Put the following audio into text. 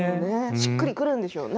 しっくりくるんでしょうね。